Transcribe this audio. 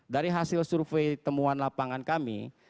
dari hasil survei temuan lapangan kami